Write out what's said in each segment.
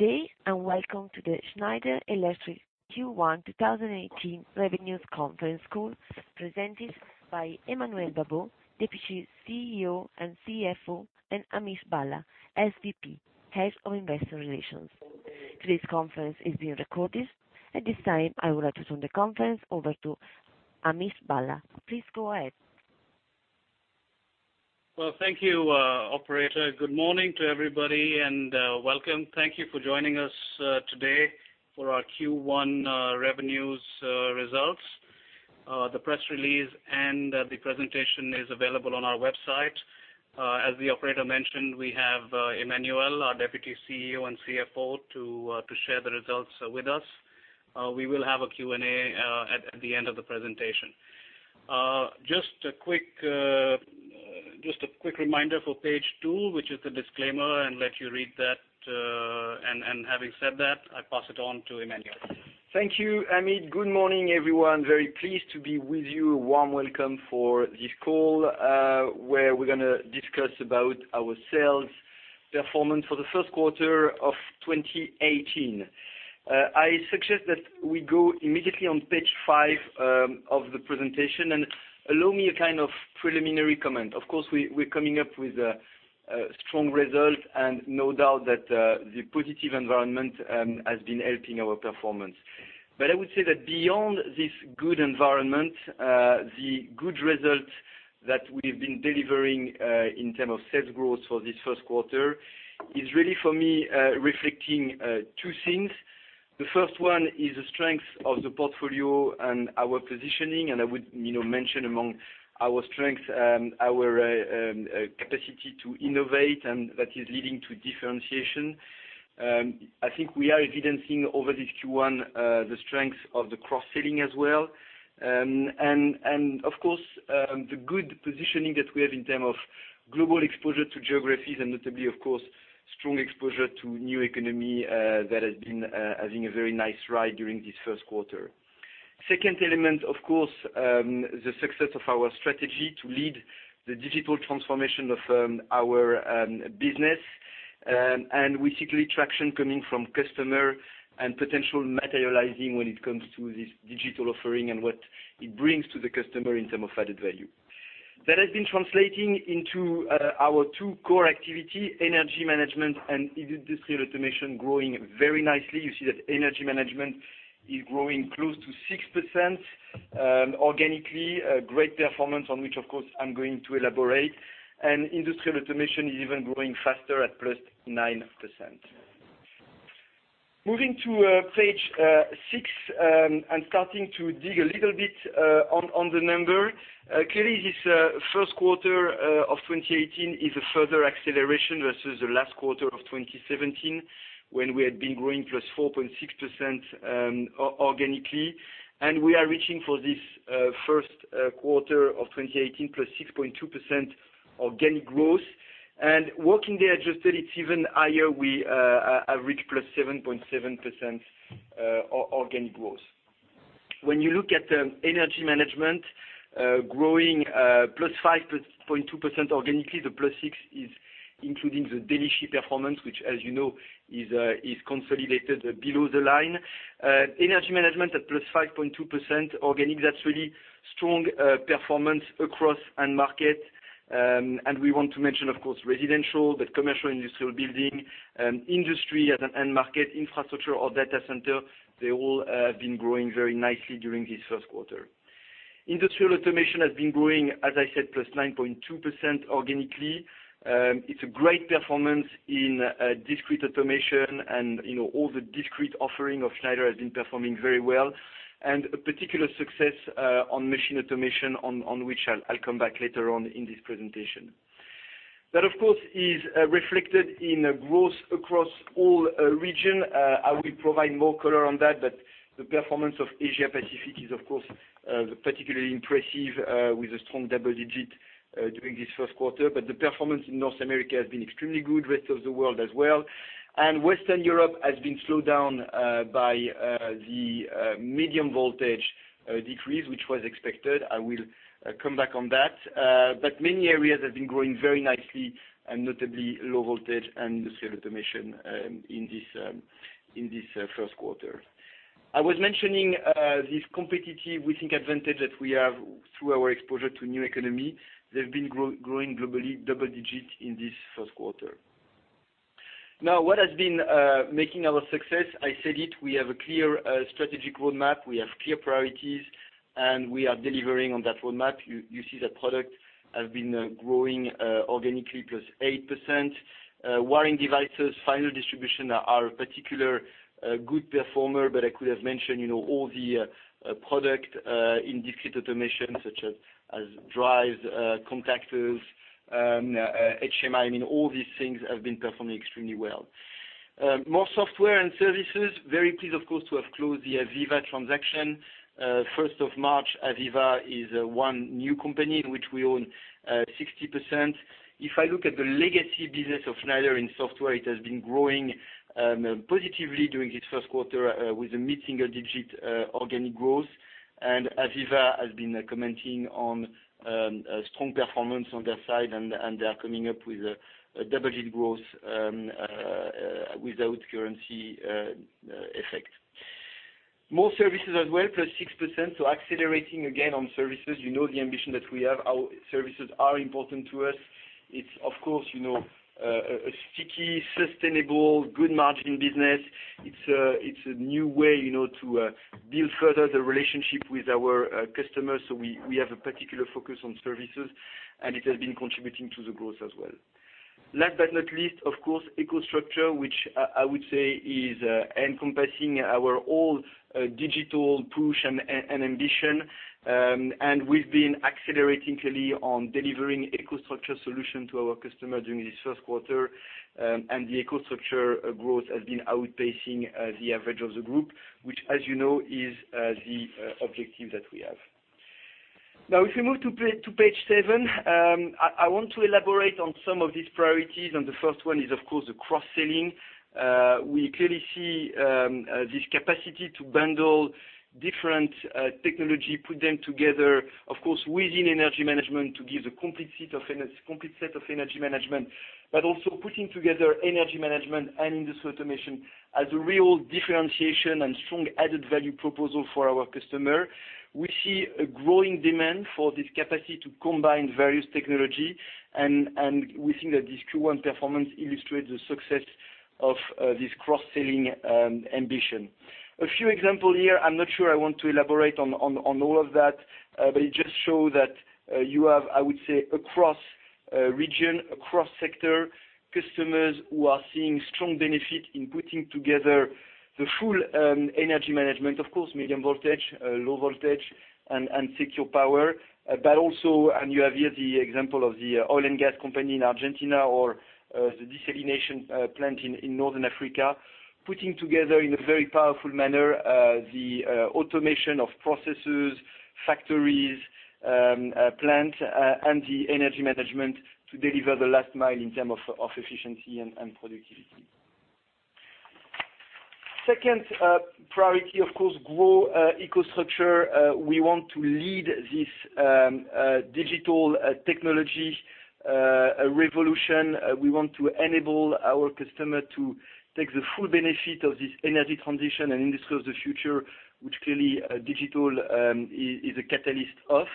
Good day, welcome to the Schneider Electric Q1 2018 Revenues Conference Call, presented by Emmanuel Babeau, Deputy CEO and CFO, and Amit Bhalla, SVP, Head of Investor Relations. Today's conference is being recorded. At this time, I would like to turn the conference over to Amit Bhalla. Please go ahead. Well, thank you, operator. Good morning to everybody, welcome. Thank you for joining us today for our Q1 revenues results. The press release and the presentation is available on our website. As the operator mentioned, we have Emmanuel, our Deputy CEO and CFO, to share the results with us. We will have a Q&A at the end of the presentation. Just a quick reminder for page two, which is the disclaimer, and let you read that. Having said that, I pass it on to Emmanuel. Thank you, Amit. Good morning, everyone. Very pleased to be with you. Warm welcome for this call, where we're going to discuss about our sales performance for the first quarter of 2018. I suggest that we go immediately on page five of the presentation, allow me a kind of preliminary comment. Of course, we're coming up with strong results, no doubt that the positive environment has been helping our performance. I would say that beyond this good environment, the good results that we've been delivering in term of sales growth for this first quarter is really, for me, reflecting two things. The first one is the strength of the portfolio and our positioning, I would mention among our strengths, our capacity to innovate, and that is leading to differentiation. I think we are evidencing over this Q1, the strength of the cross-selling as well. Of course, the good positioning that we have in term of global exposure to geographies and notably, of course, strong exposure to new economy, that has been having a very nice ride during this first quarter. Second element, of course, the success of our strategy to lead the digital transformation of our business. We see traction coming from customer and potential materializing when it comes to this digital offering and what it brings to the customer in term of added value. That has been translating into our two core activity, Energy Management and Industrial Automation, growing very nicely. You see that Energy Management is growing close to 6% organically. A great performance on which, of course, I'm going to elaborate. Industrial Automation is even growing faster at +9%. Moving to page six, starting to dig a little bit on the number. Clearly, this first quarter of 2018 is a further acceleration versus the last quarter of 2017, when we had been growing +4.6% organically. We are reaching for this first quarter of 2018, +6.2% organic growth. Working the adjusted, it's even higher. We are at reach +7.7% organic growth. When you look at Energy Management growing +5.2% organically, the +6% is including the Delixi performance, which as you know is consolidated below the line. Energy Management at +5.2% organic, that's really strong performance across end market. We want to mention, of course, residential, but commercial, industrial building, industry as an end market, infrastructure or data center, they all have been growing very nicely during this first quarter. Industrial Automation has been growing, as I said, +9.2% organically. It's a great performance in discrete automation and all the discrete offering of Schneider has been performing very well. A particular success on machine automation, on which I'll come back later on in this presentation. That, of course, is reflected in growth across all region. I will provide more color on that, but the performance of Asia Pacific is, of course, particularly impressive with a strong double-digit during this first quarter. The performance in North America has been extremely good, rest of the world as well. Western Europe has been slowed down by the medium voltage decrease, which was expected. I will come back on that. Many areas have been growing very nicely and notably low voltage and Industrial Automation in this first quarter. I was mentioning this competitive, we think, advantage that we have through our exposure to new economy. They've been growing globally double-digit in this first quarter. Now, what has been making our success? I said it, we have a clear strategic roadmap, we have clear priorities, and we are delivering on that roadmap. You see that product has been growing organically +8%. Wiring devices, final distribution are a particular good performer, but I could have mentioned all the product in discrete automation such as drive contactors, HMI, all these things have been performing extremely well. More software and services, very pleased, of course, to have closed the AVEVA transaction. March 1st, AVEVA is one new company in which we own 60%. If I look at the legacy business of Schneider in software, it has been growing positively during this first quarter with a mid-single-digit organic growth. AVEVA has been commenting on strong performance on their side, and they are coming up with a double-digit growth without currency effect. More services as well, +6%, so accelerating again on services. You know the ambition that we have. Our services are important to us. It's, of course, a sticky, sustainable, good margin business. It's a new way to build further the relationship with our customers. We have a particular focus on services, and it has been contributing to the growth as well. Last but not least, of course, EcoStruxure, which I would say is encompassing our whole digital push and ambition. We've been accelerating clearly on delivering EcoStruxure solution to our customer during this first quarter. The EcoStruxure growth has been outpacing the average of the group, which, as you know, is the objective that we have. If we move to page seven, I want to elaborate on some of these priorities. The first one is, of course, the cross-selling. We clearly see this capacity to bundle different technology, put them together, of course, within Energy Management to give the complete set of Energy Management, but also putting together Energy Management and Industrial Automation as a real differentiation and strong added-value proposal for our customer. We see a growing demand for this capacity to combine various technology, and we think that this Q1 performance illustrates the success of this cross-selling ambition. A few example here, I'm not sure I want to elaborate on all of that, but it just show that you have, I would say, across region, across sector, customers who are seeing strong benefit in putting together the full Energy Management, of course, medium voltage, low voltage, and Secure Power. Also, you have here the example of the oil and gas company in Argentina or the desalination plant in Northern Africa, putting together in a very powerful manner the automation of processes, factories, plant, and the Energy Management to deliver the last mile in term of efficiency and productivity. Second priority, of course, grow EcoStruxure. We want to lead this digital technology revolution. We want to enable our customer to take the full benefit of this energy transition and Industries of the Future, which clearly digital is a catalyst of.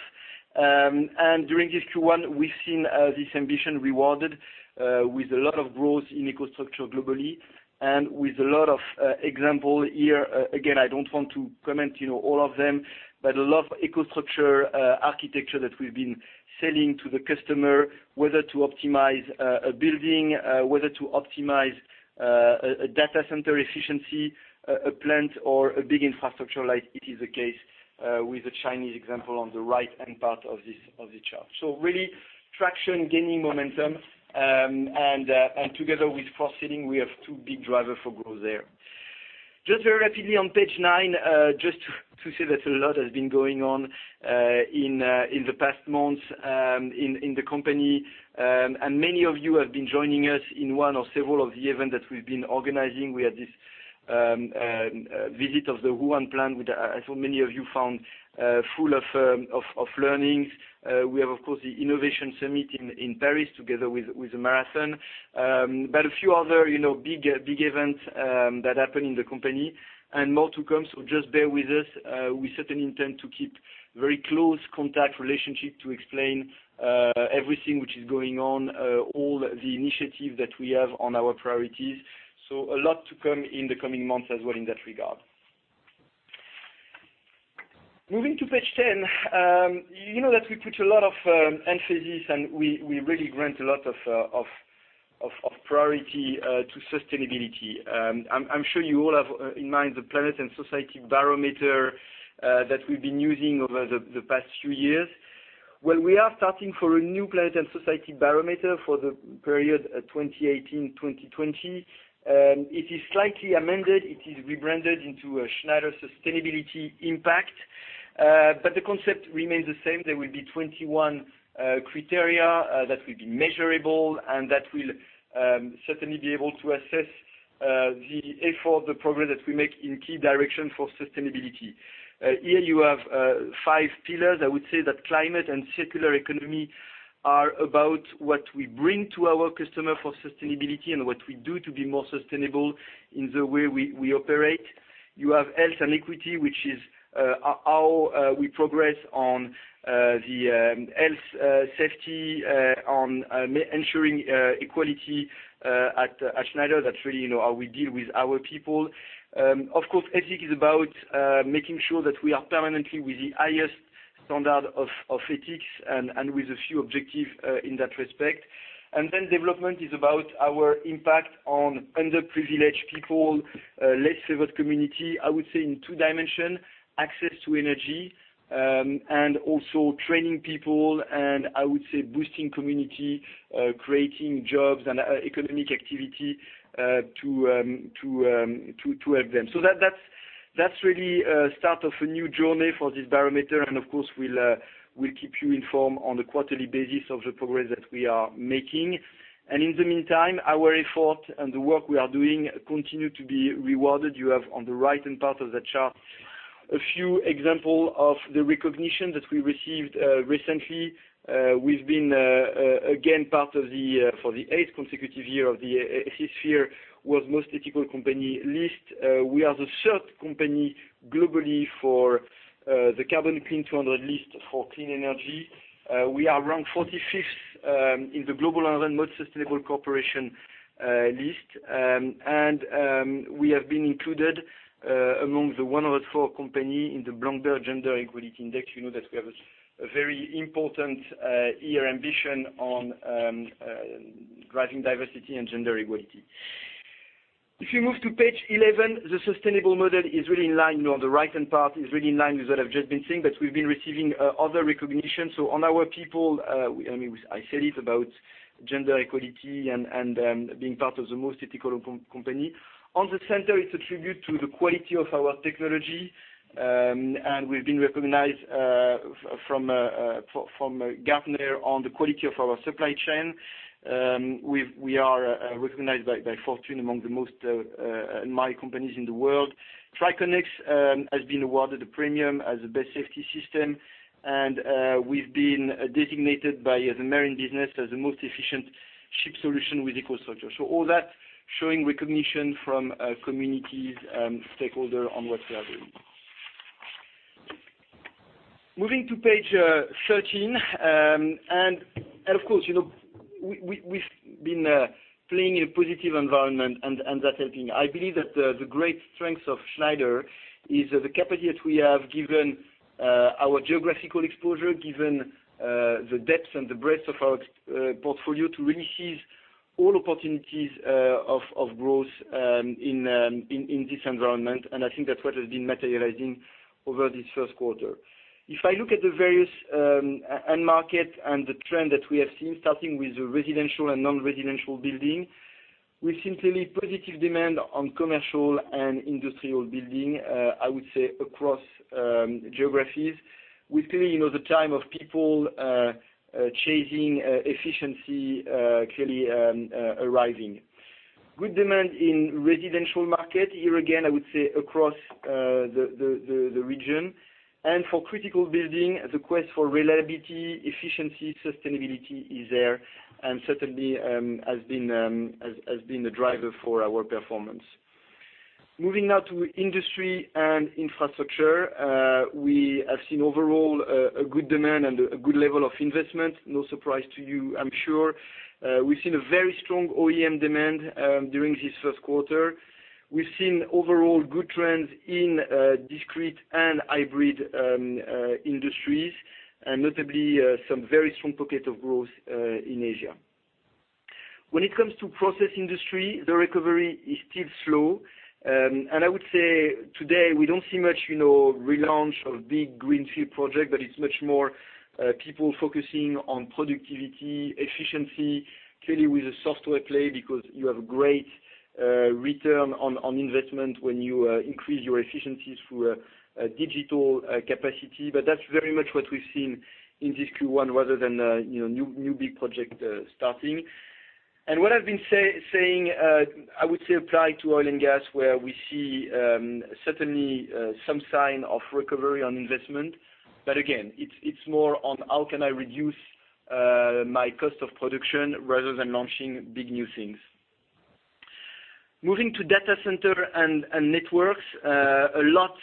During this Q1, we've seen this ambition rewarded with a lot of growth in EcoStruxure globally and with a lot of example here, again, I don't want to comment all of them, but a lot of EcoStruxure architecture that we've been selling to the customer, whether to optimize a building, whether to optimize a data center efficiency, a plant or a big infrastructure like it is the case with the Chinese example on the right-hand part of this chart. Really traction, gaining momentum, and together with cross-selling, we have two big driver for growth there. Just very rapidly on page nine, just to say that a lot has been going on in the past months in the company. Many of you have been joining us in one or several of the event that we've been organizing. We had this visit of the Wuhan plant, which I saw many of you found full of learnings. We have, of course, the Innovation Summit in Paris together with the marathon. A few other big events that happened in the company, and more to come, just bear with us. We certainly intend to keep very close contact relationship to explain everything which is going on, all the initiative that we have on our priorities. A lot to come in the coming months as well in that regard. Moving to page 10. You know that we put a lot of emphasis, we really grant a lot of priority to sustainability. I'm sure you all have in mind the Planet & Society barometer that we've been using over the past few years. We are starting for a new Planet & Society barometer for the period 2018-2020. It is slightly amended. It is rebranded into a Schneider Sustainability Impact, but the concept remains the same. There will be 21 criteria that will be measurable and that will certainly be able to assess the effort, the progress that we make in key direction for sustainability. Here you have five pillars. I would say that climate and circular economy are about what we bring to our customer for sustainability and what we do to be more sustainable in the way we operate. Health and equity, which is how we progress on the health safety, on ensuring equality at Schneider. That's really how we deal with our people. Ethic is about making sure that we are permanently with the highest standard of ethics and with a few objective in that respect. Development is about our impact on underprivileged people, less-served community, I would say in two dimension, access to energy, and also training people and, I would say, boosting community, creating jobs and economic activity to help them. That's really a start of a new journey for this barometer, we'll keep you informed on the quarterly basis of the progress that we are making. In the meantime, our effort and the work we are doing continue to be rewarded. You have on the right-hand part of the chart. A few example of the recognition that we received recently. We've been, again, part of the, for the eighth consecutive year, of the Ethisphere World's Most Ethical Companies list. We are the third company globally for the Carbon Clean 200 list for clean energy. We are around 45th in the global level and most sustainable corporation list. We have been included among the 104 company in the Bloomberg Gender-Equality Index. You know that we have a very important year ambition on driving diversity and gender equality. If you move to page 11, the sustainable model is really in line, on the right-hand part, is really in line with what I've just been saying, we've been receiving other recognition. On our people, I said it about gender equality and being part of the most ethical company. On the center, it's a tribute to the quality of our technology. We've been recognized from Gartner on the quality of our supply chain. We are recognized by Fortune among the Most Admired Companies in the world. Triconex has been awarded a premium as the best safety system, we've been designated by the marine business as the most efficient ship solution with EcoStruxure. All that showing recognition from communities and stakeholder on what we are doing. Moving to page 13. We've been playing in a positive environment, that's helping. I believe that the great strength of Schneider is the capacity that we have, given our geographical exposure, given the depth and the breadth of our portfolio to really seize all opportunities of growth in this environment. I think that what has been materializing over this first quarter. If I look at the various end market and the trend that we have seen, starting with the residential and non-residential building, we've seen clearly positive demand on commercial and industrial building, I would say across geographies. We're clearly in the time of people chasing efficiency, clearly arising. Good demand in residential market. Here, again, I would say across the region. For critical building, the quest for reliability, efficiency, sustainability is there, and certainly has been the driver for our performance. Moving now to industry and infrastructure. We have seen overall a good demand and a good level of investment. No surprise to you, I'm sure. We've seen a very strong OEM demand during this first quarter. We've seen overall good trends in discrete and hybrid industries, and notably some very strong pocket of growth in Asia. When it comes to process industry, the recovery is still slow. I would say today we don't see much relaunch of big greenfield project, but it's much more people focusing on productivity, efficiency, clearly with a software play because you have a great return on investment when you increase your efficiencies through a digital capacity. That's very much what we've seen in this Q1, rather than new big project starting. What I've been saying, I would say apply to oil and gas, where we see certainly some sign of recovery on investment. Again, it's more on how can I reduce my cost of production rather than launching big new things. Moving to data center and networks. A lot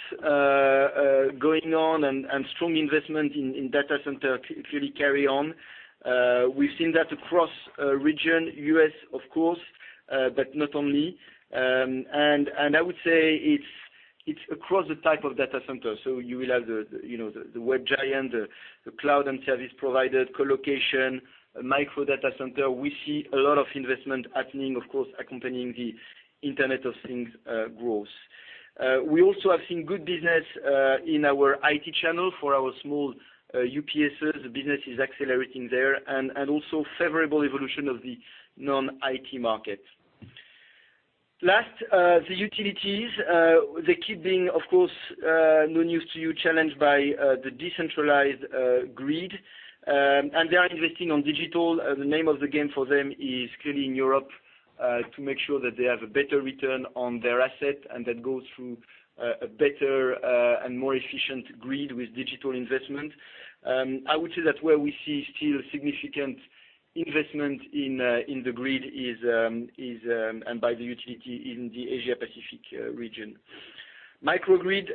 going on and strong investment in data center clearly carry on. We've seen that across region, U.S., of course, but not only. I would say it's across the type of data center. You will have the web giant, the cloud and service provider, co-location, micro data center. We see a lot of investment happening, of course, accompanying the Internet of Things growth. We also have seen good business in our IT channel for our small UPSes. The business is accelerating there. Also favorable evolution of the non-IT market. Last, the utilities. They keep being, of course, no news to you, challenged by the decentralized grid. They are investing on digital. The name of the game for them is clearly in Europe, to make sure that they have a better return on their asset and that goes through a better and more efficient grid with digital investment. I would say that where we see still significant investment in the grid and by the utility in the Asia Pacific region. Microgrid,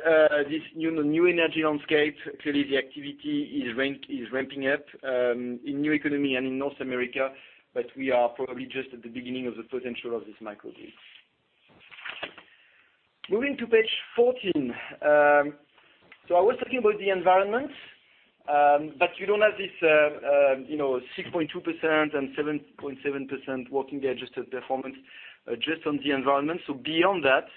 this new energy landscape, clearly the activity is ramping up in new economy and in North America, but we are probably just at the beginning of the potential of this microgrid. Moving to page 14. I was talking about the environment, but you don't have this 6.2% and 7.7% working the adjusted performance just on the environment. Beyond that,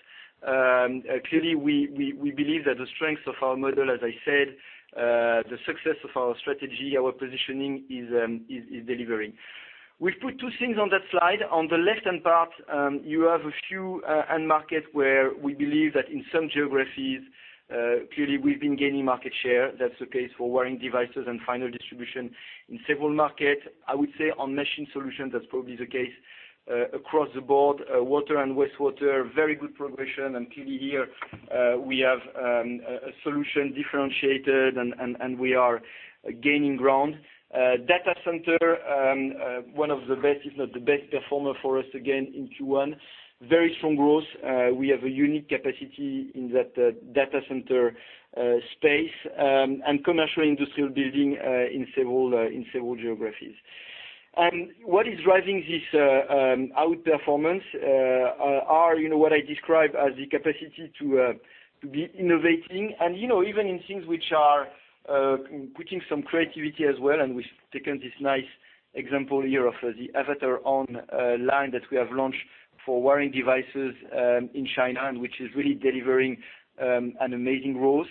clearly, we believe that the strength of our model, as I said, the success of our strategy, our positioning is delivering. We've put two things on that slide. On the left-hand part, you have a few end markets where we believe that in some geographies, clearly, we've been gaining market share. That's the case for wiring devices and final distribution in several markets. On machine solutions, that's probably the case across the board. Water and wastewater, very good progression. Clearly here, we have a solution differentiated, and we are gaining ground. Data center, one of the best, if not the best performer for us again in Q1. Very strong growth. We have a unique capacity in that data center space, and commercial industrial building in several geographies. What is driving this outperformance are what I describe as the capacity to be innovating and even in things which are putting some creativity as well, and we've taken this nice example here of the AvatarOn line that we have launched for wiring devices in China, and which is really delivering an amazing growth.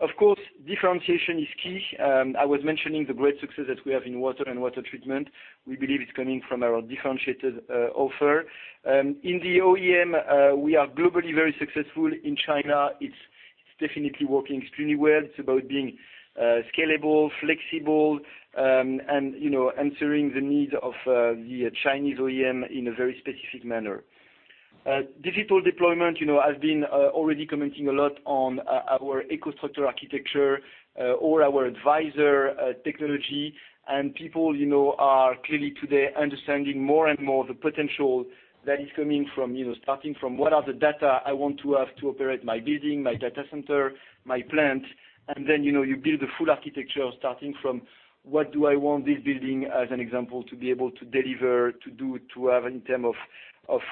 Of course, differentiation is key. I was mentioning the great success that we have in water and water treatment. We believe it's coming from our differentiated offer. In the OEM, we are globally very successful in China. It's definitely working extremely well. It's about being scalable, flexible, and answering the needs of the Chinese OEM in a very specific manner. Digital deployment. I've been already commenting a lot on our EcoStruxure architecture, or our Advisor technology. People are clearly today understanding more and more the potential that is coming from starting from what are the data I want to have to operate my building, my data center, my plant, and then you build a full architecture starting from what do I want this building, as an example, to be able to deliver, to do, to have in term of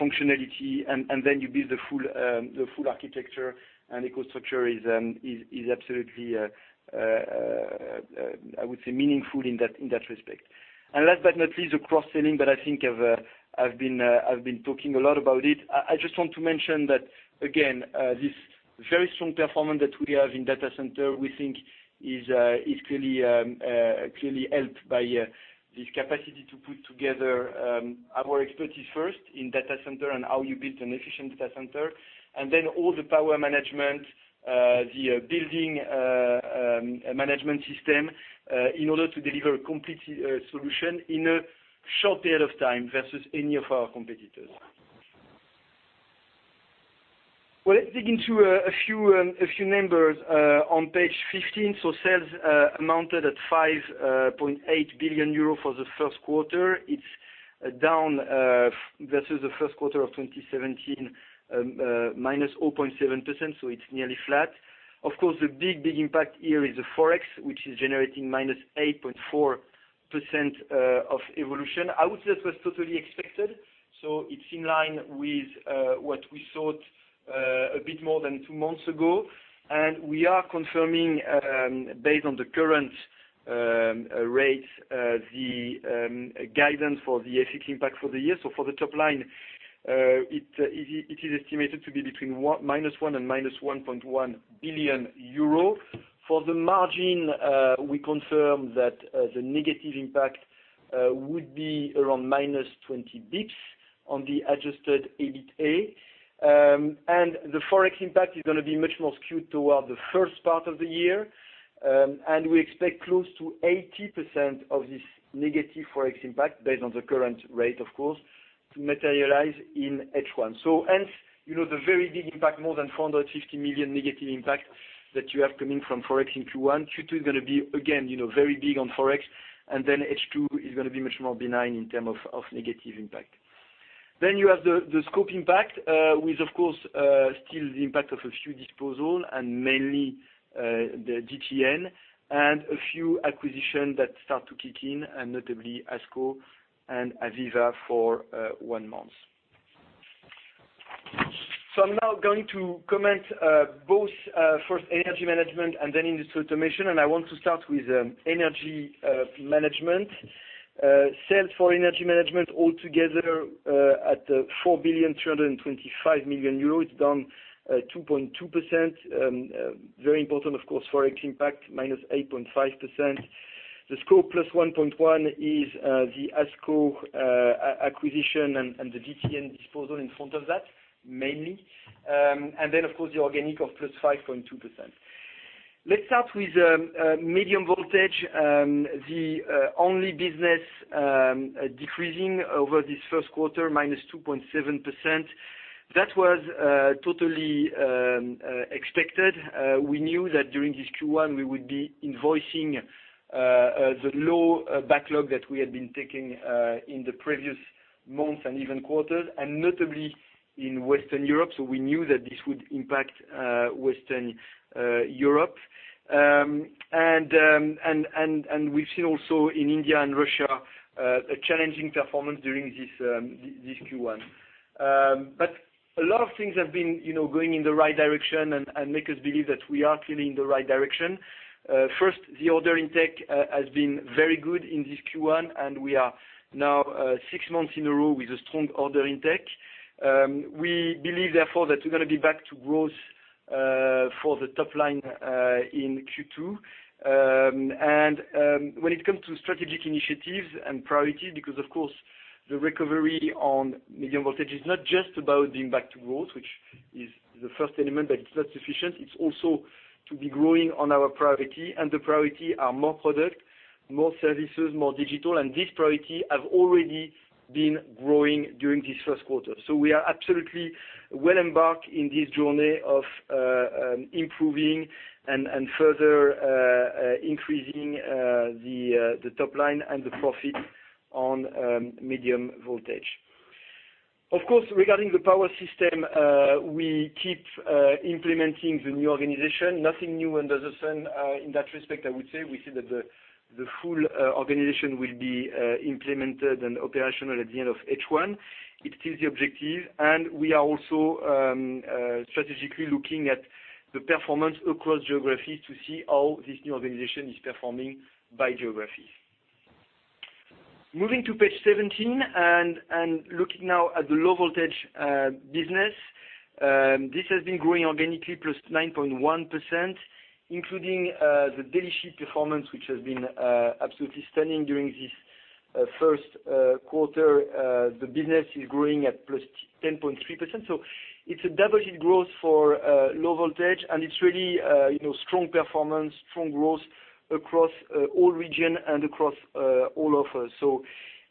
functionality, and then you build the full architecture, and EcoStruxure is absolutely, I would say, meaningful in that respect. Last but not least, the cross-selling, I think I've been talking a lot about it. I just want to mention that, again, this very strong performance that we have in data center, we think is clearly helped by this capacity to put together our expertise first in data center and how you build an efficient data center, and then all the power management, the building management system, in order to deliver a complete solution in a short period of time versus any of our competitors. Let's dig into a few numbers on page 15. Sales amounted at 5.8 billion euro for the first quarter. It's down versus the first quarter of 2017, -0.7%, so it's nearly flat. Of course, the big impact here is the Forex, which is generating -8.4% of evolution. I would say it was totally expected. It's in line with what we thought a bit more than two months ago. We are confirming, based on the current rates, the guidance for the FX impact for the year. For the top line, it is estimated to be between -1 billion and -1.1 billion euro. For the margin, we confirm that the negative impact would be around -20 basis points on the adjusted EBITA. The Forex impact is going to be much more skewed toward the first part of the year, and we expect close to 80% of this negative Forex impact, based on the current rate, of course, to materialize in H1. Hence, the very big impact, more than 450 million negative impact that you have coming from Forex in Q1. Q2 is going to be, again, very big on Forex, and then H2 is going to be much more benign in term of negative impact. You have the scope impact, with of course still the impact of a few disposals and mainly the DTN and a few acquisitions that start to kick in, notably ASCO and AVEVA for one month. I'm now going to comment both, first Energy Management and then Industrial Automation, and I want to start with Energy Management. Sales for Energy Management all together at 4,325,000,000 euro, it's down 2.2%. Very important, of course, Forex impact, -8.5%. The scope +1.1% is the ASCO acquisition and the DTN disposal in front of that, mainly. Of course, the organic of +5.2%. Let's start with medium voltage. The only business decreasing over this first quarter, -2.7%. That was totally expected. We knew that during this Q1, we would be invoicing the low backlog that we had been taking in the previous months and even quarters, notably in Western Europe. We knew that this would impact Western Europe. We've seen also in India and Russia, a challenging performance during this Q1. A lot of things have been going in the right direction and make us believe that we are clearly in the right direction. First, the order intake has been very good in this Q1. We are now six months in a row with a strong order intake. We believe, therefore, that we're going to be back to growth for the top line in Q2. When it comes to strategic initiatives and priorities, because of course, the recovery on medium voltage is not just about being back to growth, which is the first element, but it's not sufficient. It's also to be growing on our priority, the priority are more product, more services, more digital, and this priority have already been growing during this first quarter. We are absolutely well embarked in this journey of improving and further increasing the top line and the profit on medium voltage. Of course, regarding the power system, we keep implementing the new organization. Nothing new under the sun in that respect, I would say. We see that the full organization will be implemented and operational at the end of H1. It keeps the objective, we are also strategically looking at the performance across geographies to see how this new organization is performing by geography. Moving to page 17, looking now at the low voltage business. This has been growing organically +9.1%, including the Delixi performance, which has been absolutely stunning during this first quarter. The business is growing at +10.3%. It's a double-digit growth for low voltage, it's really strong performance, strong growth across all regions and across all offers.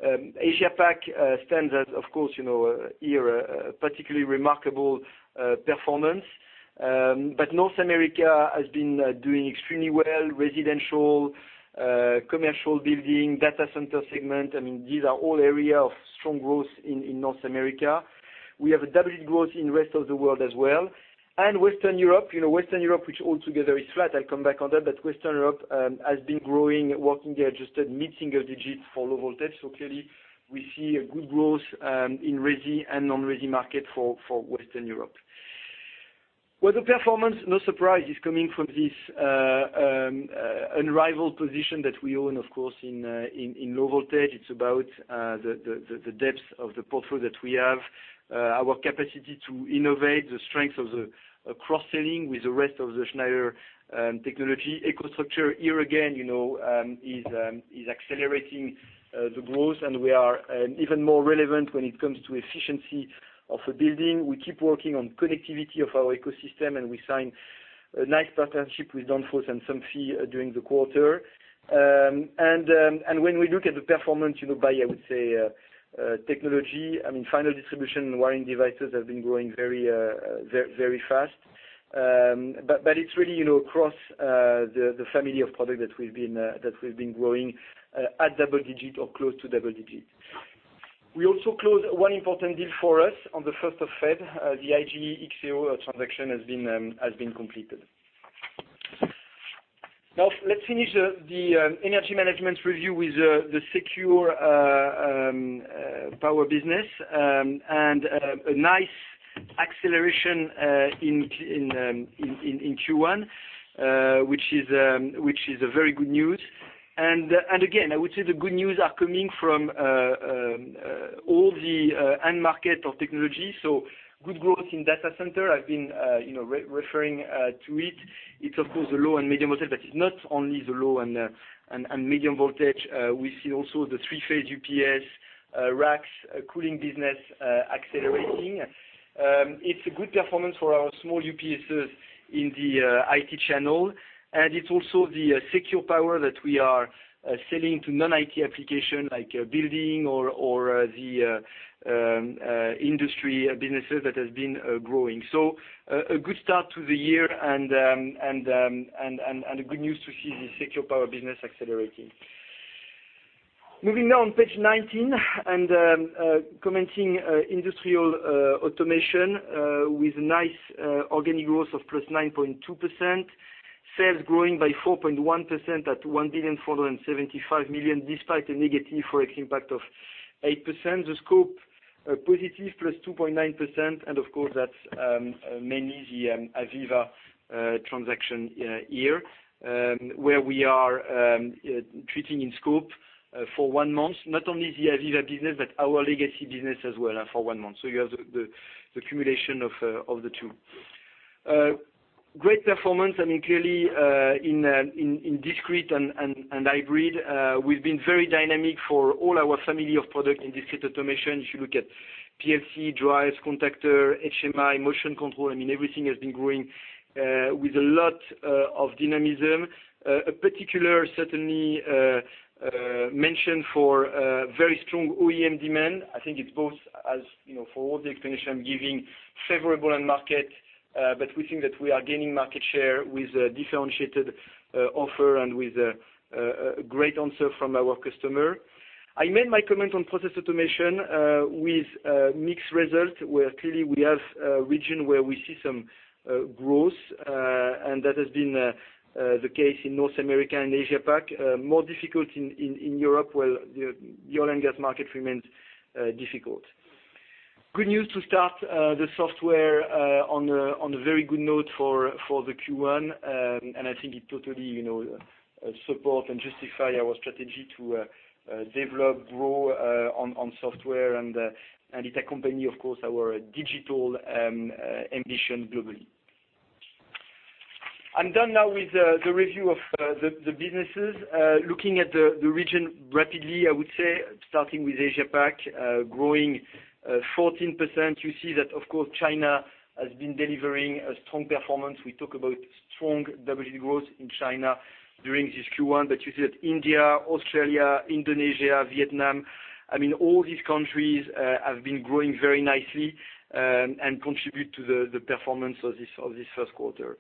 Asia Pac stands out, of course, here, a particularly remarkable performance. North America has been doing extremely well. Residential, commercial building, data center segment, these are all areas of strong growth in North America. We have a double-hit growth in rest of the world as well. Western Europe, which altogether is flat, I'll come back on that, Western Europe has been growing, working adjusted mid-single digit for low voltage. Clearly, we see a good growth in resi and non-resi market for Western Europe. Well, the performance, no surprise, is coming from this unrivaled position that we own, of course, in low voltage. It is about the depth of the portfolio that we have, our capacity to innovate, the strength of the cross-selling with the rest of the Schneider technology ecosystem. Here again, is accelerating the growth, and we are even more relevant when it comes to efficiency of a building. We keep working on connectivity of our ecosystem, and we sign a nice partnership with Danfoss and Somfy during the quarter. When we look at the performance by, I would say, technology, final distribution and wiring devices have been growing very fast. It is really across the family of product that we have been growing at double-digit or close to double-digit. We also closed one important deal for us on the 1st of February. The IGE+XAO transaction has been completed. Now let us finish the Energy Management review with the Secure Power business and a nice acceleration in Q1, which is a very good news. Again, I would say the good news are coming from all the end market of technology. Good growth in data center. I have been referring to it. It is, of course, the low and medium voltage, but it is not only the low and medium voltage. We see also the three-phase UPS racks cooling business accelerating. It is a good performance for our small UPSs in the IT channel, and it is also the Secure Power that we are selling to non-IT application like building or the industry businesses that has been growing. A good start to the year and a good news to see the Secure Power business accelerating. Moving now on page 19 and commenting Industrial Automation with nice organic growth of +9.2%. Sales growing by 4.1% at 1,475 million, despite a negative ForEx impact of 8%. The scope positive +2.9%, and of course, that is mainly the AVEVA transaction here, where we are treating in scope for one month, not only the AVEVA business, but our legacy business as well for one month. You have the accumulation of the two. Great performance, clearly in discrete and hybrid. We have been very dynamic for all our family of product in discrete automation. If you look at PLC, drives, contactor, HMI, motion control, everything has been growing with a lot of dynamism. A particular certainly mention for very strong OEM demand. I think it is both as for all the explanation I am giving, favorable end market, but we think that we are gaining market share with a differentiated offer and with a great answer from our customer. I made my comment on process automation with mixed results, where clearly we have a region where we see some growth, and that has been the case in North America and Asia Pac. More difficult in Europe, where the oil and gas market remains difficult. Good news to start the software on a very good note for the Q1, and I think it totally support and justify our strategy to develop, grow on software, and it accompany, of course, our digital ambition globally. I am done now with the review of the businesses. Looking at the region rapidly, I would say starting with Asia Pac, growing 14%, you see that, of course, China has been delivering a strong performance. We talk about strong double-digit growth in China during this Q1. You see that India, Australia, Indonesia, Vietnam, all these countries have been growing very nicely and contribute to the performance of this first quarter.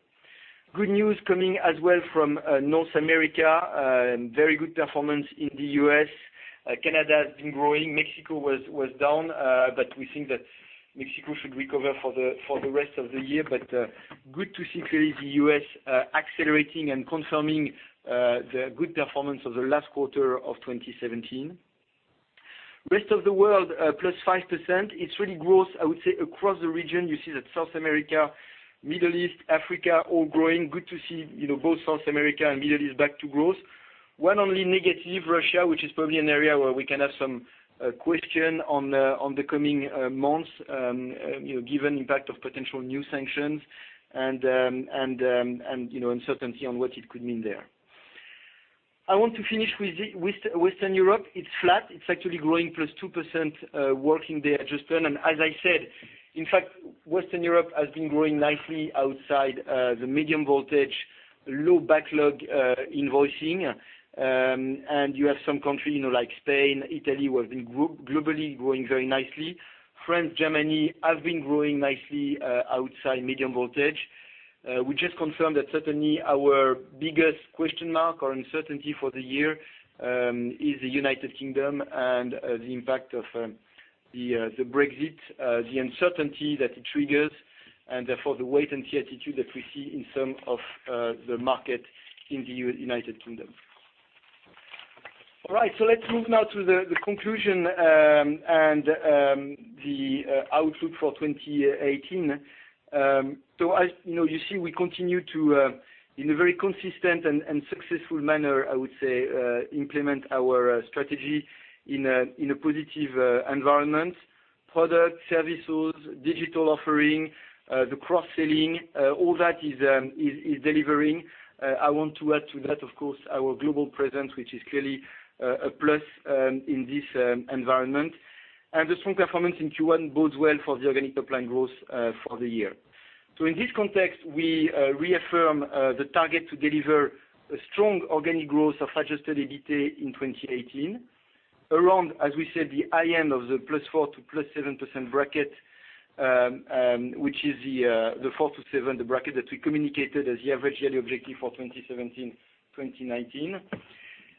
Good news coming as well from North America, very good performance in the U.S. Canada has been growing. Mexico was down, we think that Mexico should recover for the rest of the year. Good to see, clearly, the U.S. accelerating and confirming the good performance of the last quarter of 2017. Rest of the world, +5%. It's really growth, I would say, across the region. You see that South America, Middle East, Africa, all growing. Good to see both South America and Middle East back to growth. One only negative, Russia, which is probably an area where we can have some question on the coming months, given impact of potential new sanctions and uncertainty on what it could mean there. I want to finish with Western Europe. It's flat. It's actually growing +2%, working the adjustment. As I said, in fact, Western Europe has been growing nicely outside the medium voltage, low backlog invoicing. You have some country, like Spain, Italy, who have been globally growing very nicely. France, Germany, have been growing nicely outside medium voltage. We just confirmed that certainly our biggest question mark or uncertainty for the year is the United Kingdom and the impact of the Brexit, the uncertainty that it triggers, and therefore the wait-and-see attitude that we see in some of the market in the United Kingdom. All right. Let's move now to the conclusion and the outlook for 2018. As you see, we continue to, in a very consistent and successful manner, I would say, implement our strategy in a positive environment. Products, services, digital offering, the cross-selling, all that is delivering. I want to add to that, of course, our global presence, which is clearly a plus in this environment. The strong performance in Q1 bodes well for the organic top-line growth for the year. In this context, we reaffirm the target to deliver a strong organic growth of adjusted EBITA in 2018 around, as we said, the high end of the +4% to +7% bracket, which is the 4%-7%, the bracket that we communicated as the average yearly objective for 2017, 2019.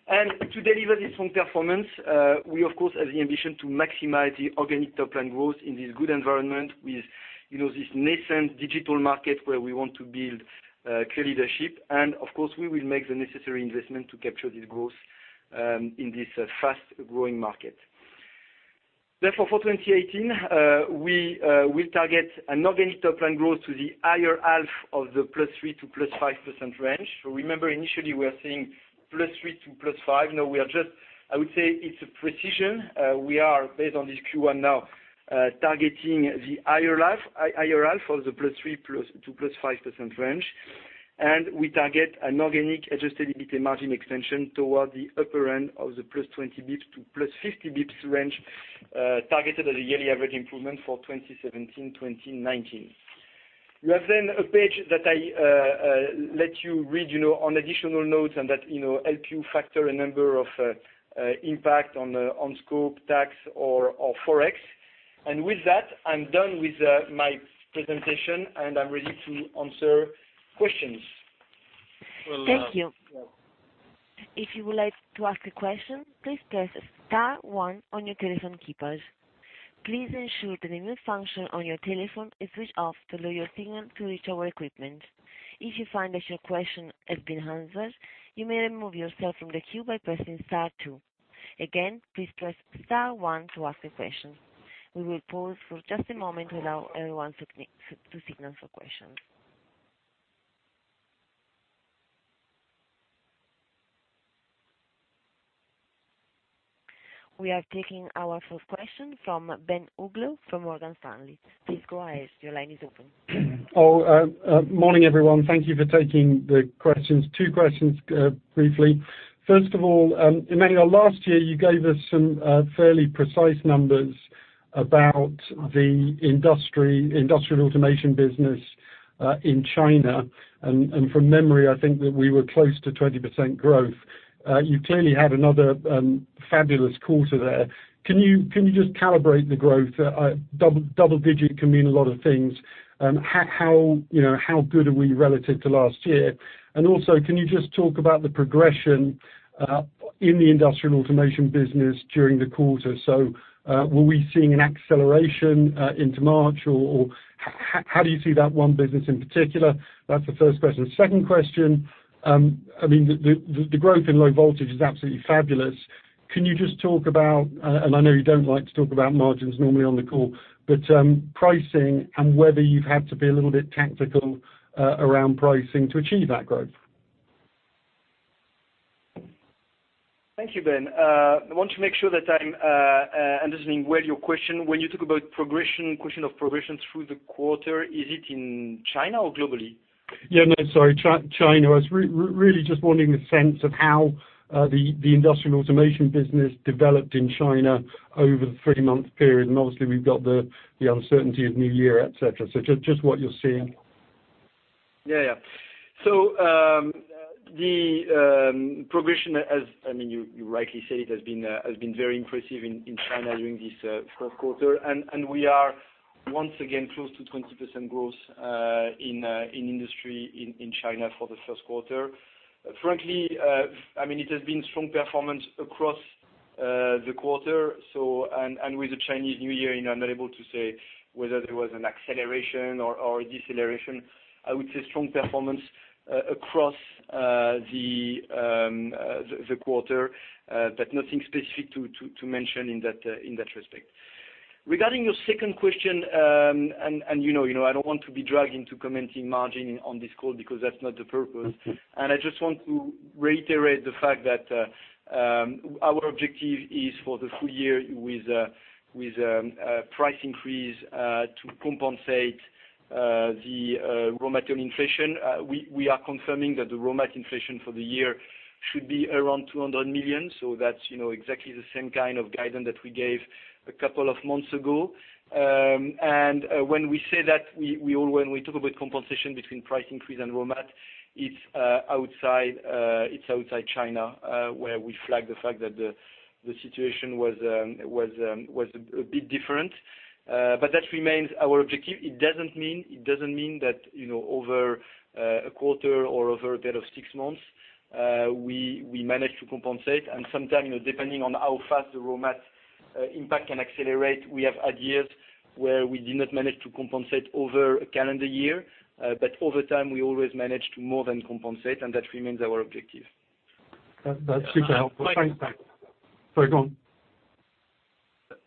To deliver this strong performance, we, of course, have the ambition to maximize the organic top-line growth in this good environment with this nascent digital market where we want to build clear leadership. Of course, we will make the necessary investment to capture this growth in this fast-growing market. For 2018, we will target an organic top-line growth to the higher half of the +3% to +5% range. Remember, initially, we were saying +3% to +5%. Now we are just, I would say it's a precision. We are, based on this Q1 now, targeting the higher half of the +3% plus to +5% range. We target an organic adjusted EBITA margin extension toward the upper end of the +20 basis points to +50 basis points range, targeted at a yearly average improvement for 2017, 2019. You have a page that I let you read on additional notes and that help you factor a number of impact on scope, tax, or Forex. With that, I'm done with my presentation, and I'm ready to answer questions. Thank you. If you would like to ask a question, please press star one on your telephone keypads. Please ensure that the mute function on your telephone is switched off to allow your signal to reach our equipment. If you find that your question has been answered, you may remove yourself from the queue by pressing star two. Again, please press star one to ask a question. We will pause for just a moment to allow everyone to signal for questions. We are taking our first question from Ben Uglow from Morgan Stanley. Please go ahead. Your line is open. Morning, everyone. Thank you for taking the questions. Two questions, briefly. First of all Emmanuel, last year you gave us some fairly precise numbers about the Industrial Automation business in China. From memory, I think that we were close to 20% growth. You clearly had another fabulous quarter there. Can you just calibrate the growth? Double digit can mean a lot of things. How good are we relative to last year? Also, can you just talk about the progression in the Industrial Automation business during the quarter? Were we seeing an acceleration into March, or how do you see that one business in particular? That's the first question. Second question. The growth in low voltage is absolutely fabulous. Can you just talk about, I know you don't like to talk about margins normally on the call, pricing and whether you've had to be a little bit tactical around pricing to achieve that growth? Thank you, Ben. I want to make sure that I'm understanding your question well. When you talk about progression, question of progression through the quarter, is it in China or globally? Yeah, no, sorry, China. I was really just wanting a sense of how the Industrial Automation business developed in China over the three-month period, and obviously we've got the uncertainty of New Year, et cetera. Just what you're seeing. Yeah. The progression as you rightly say, it has been very impressive in China during this first quarter, and we are once again close to 20% growth in industry in China for the first quarter. Frankly, it has been strong performance across the quarter, and with the Chinese New Year, I'm not able to say whether there was an acceleration or a deceleration. I would say strong performance across the quarter, but nothing specific to mention in that respect. Regarding your second question, I don't want to be dragged into commenting margin on this call because that's not the purpose. I just want to reiterate the fact that our objective is for the full year with price increase to compensate the raw material inflation. We are confirming that the raw mat inflation for the year should be around 200 million. That's exactly the same kind of guidance that we gave a couple of months ago. When we say that, when we talk about compensation between price increase and raw mat, it's outside China, where we flag the fact that the situation was a bit different. That remains our objective. It doesn't mean that over a quarter or over a period of six months, we manage to compensate. Sometimes, depending on how fast the raw mat impact can accelerate, we have had years where we did not manage to compensate over a calendar year. Over time, we always manage to more than compensate, and that remains our objective. That's super helpful. Thanks for that. Sorry, go on.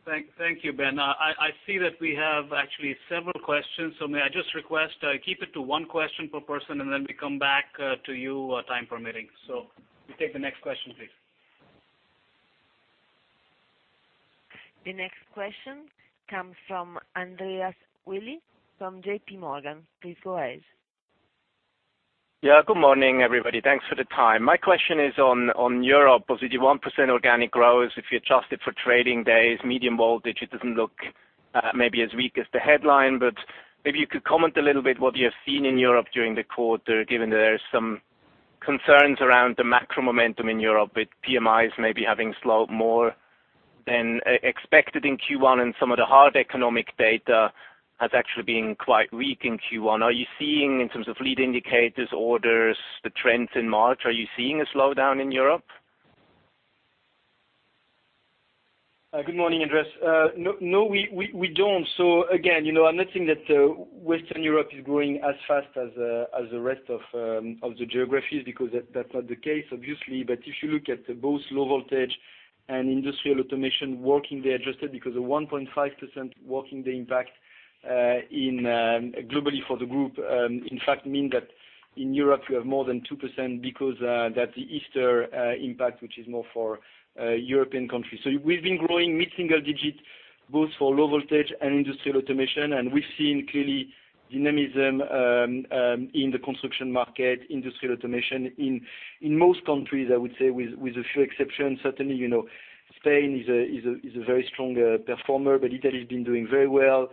Thank you, Ben. I see that we have actually several questions. May I just request, keep it to one question per person, and then we come back to you, time permitting. We take the next question, please. The next question comes from Andreas Willi, from JP Morgan. Please go ahead. Yeah. Good morning, everybody. Thanks for the time. My question is on Europe, obviously the 1% organic growth, if you adjust it for trading days, medium voltage, it doesn't look maybe as weak as the headline, but maybe you could comment a little bit what you have seen in Europe during the quarter, given that there is some concerns around the macro momentum in Europe with PMIs maybe having slowed more than expected in Q1 and some of the hard economic data has actually been quite weak in Q1. Are you seeing, in terms of lead indicators, orders, the trends in March, are you seeing a slowdown in Europe? Good morning, Andreas. No, we don't. Again, I'm not saying that Western Europe is growing as fast as the rest of the geographies because that's not the case, obviously. But if you look at both low voltage and Industrial Automation working, they adjusted because of 1.5% working the impact globally for the group, in fact mean that in Europe you have more than 2% because that Easter impact, which is more for European countries. We've been growing mid-single digit both for low voltage and Industrial Automation, and we've seen clearly dynamism in the construction market, Industrial Automation in most countries, I would say, with a few exceptions. Certainly, Spain is a very strong performer, but Italy's been doing very well.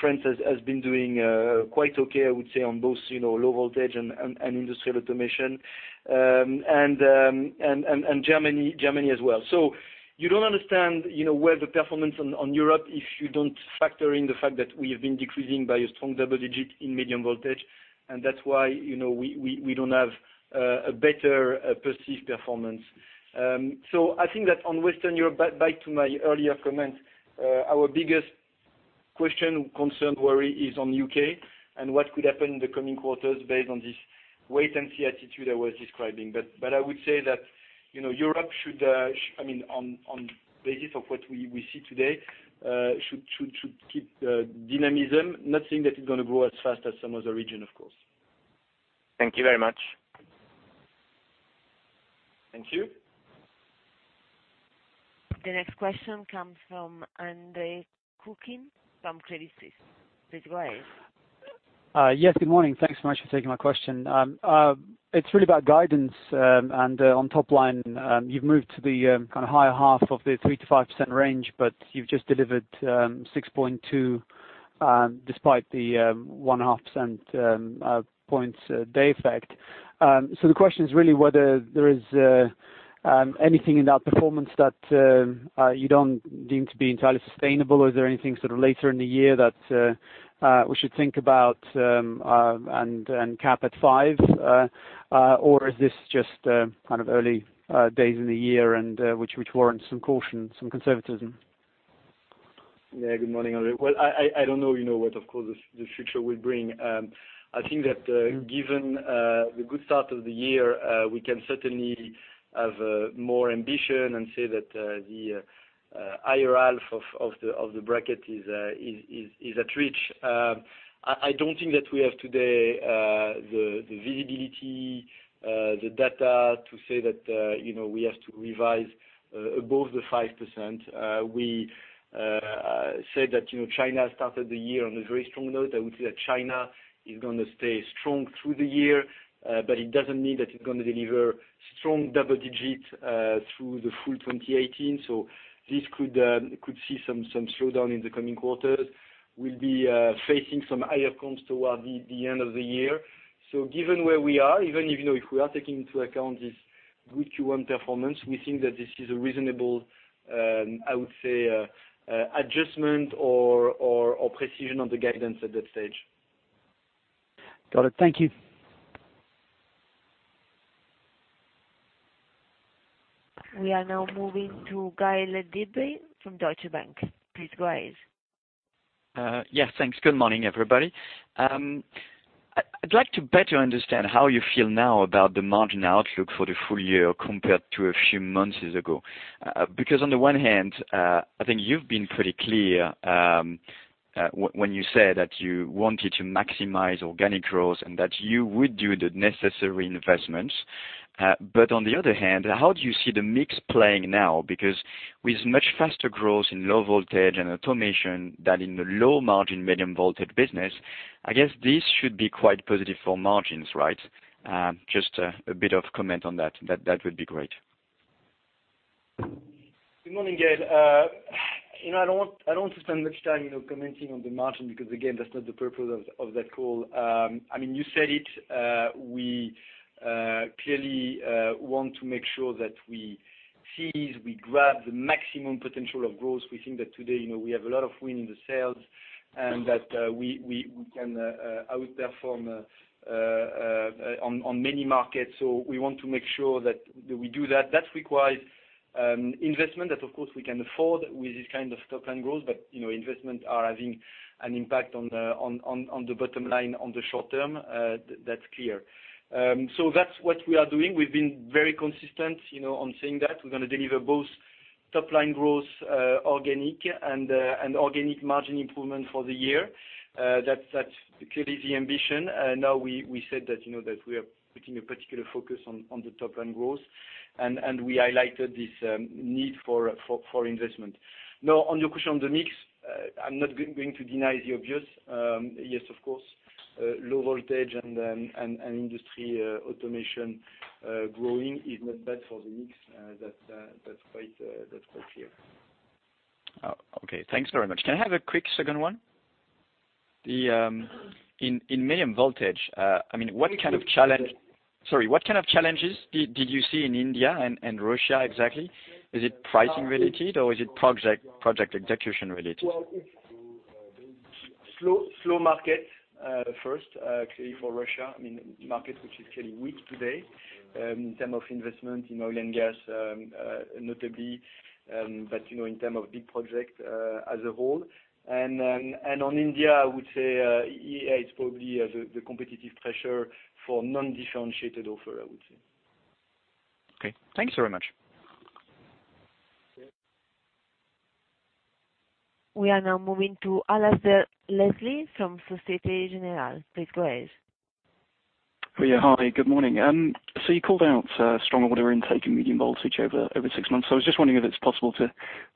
France has been doing quite okay, I would say, on both low voltage and Industrial Automation. Germany as well. You don't understand where the performance on Europe, if you don't factor in the fact that we have been decreasing by a strong double digit in medium voltage, and that's why we don't have a better perceived performance. I think that on Western Europe, back to my earlier comment, our biggest question, concern, worry is on U.K. and what could happen in the coming quarters based on this wait and see attitude I was describing. I would say that Europe on the basis of what we see today, should keep the dynamism. Not saying that it's going to grow as fast as some other region, of course. Thank you very much. Thank you. The next question comes from Andre Kukhnin from Credit Suisse. Please go ahead. Yes, good morning. Thanks so much for taking my question. It's really about guidance. On top line, you've moved to the kind of higher half of the 3%-5% range, you've just delivered 6.2%, despite the 1.5 percentage points day effect. The question is really whether there is anything in that performance that you don't deem to be entirely sustainable. Is there anything sort of later in the year that we should think about and cap at 5? Is this just kind of early days in the year and which warrants some caution, some conservatism? Good morning, Andre. I don't know what, of course, the future will bring. I think that given the good start of the year, we can certainly have more ambition and say that the higher half of the bracket is at reach. I don't think that we have today the visibility, the data to say that we have to revise above the 5%. We said that China started the year on a very strong note. I would say that China is going to stay strong through the year, but it doesn't mean that it's going to deliver strong double digits through the full 2018. This could see some slowdown in the coming quarters. We'll be facing some higher comps toward the end of the year. Given where we are, even if we are taking into account this good Q1 performance, we think that this is a reasonable, I would say, adjustment or precision on the guidance at that stage. Got it. Thank you. We are now moving to Gaël de Bray from Deutsche Bank. Please go ahead. Yeah, thanks. Good morning, everybody. I'd like to better understand how you feel now about the margin outlook for the full year compared to a few months ago. On the one hand, I think you've been pretty clear when you said that you wanted to maximize organic growth and that you would do the necessary investments. On the other hand, how do you see the mix playing now? With much faster growth in low voltage and automation than in the low margin medium voltage business, I guess this should be quite positive for margins, right? Just a bit of comment on that. That would be great. Good morning, Gaël. I don't want to spend much time commenting on the margin, again, that's not the purpose of that call. You said it. We clearly want to make sure that we seize, we grab the maximum potential of growth. We think that today we have a lot of wind in the sails and that we can outperform on many markets. We want to make sure that we do that. That requires investment that, of course, we can afford with this kind of top-line growth, investments are having an impact on the bottom line on the short term. That's clear. That's what we are doing. We've been very consistent on saying that. We're going to deliver both top-line growth organic and organic margin improvement for the year. That's clearly the ambition. We said that we are putting a particular focus on the top-line growth, we highlighted this need for investment. On your question on the mix, I'm not going to deny the obvious. Yes, of course, low voltage and industry automation growing is not bad for the mix. That's quite clear. Okay, thanks very much. Can I have a quick second one? In medium voltage, what kind of challenges did you see in India and Russia exactly? Is it pricing related, or is it project execution related? Well, it's slow market first, clearly for Russia. Market, which is clearly weak today in terms of investment in oil and gas, notably, but in terms of big project as a whole. On India, I would say, yeah, it's probably the competitive pressure for non-differentiated offer, I would say. Okay. Thank you very much. We are now moving to Alasdair Leslie from Societe Generale. Please go ahead. Hi, good morning. You called out stronger order intake in medium voltage over six months. I was just wondering if it's possible to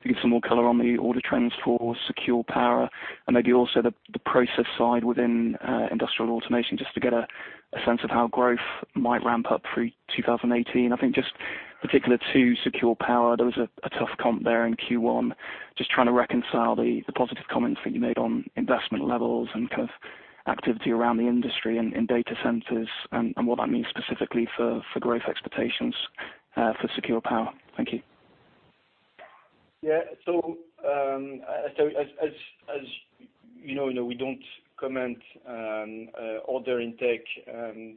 give some more color on the order trends for Secure Power and maybe also the process side within Industrial Automation, just to get a sense of how growth might ramp up through 2018. Just particular to Secure Power, there was a tough comp there in Q1. Trying to reconcile the positive comments that you made on investment levels and kind of activity around the industry and in data centers, and what that means specifically for growth expectations for Secure Power. Thank you. As you know, we don't comment order intake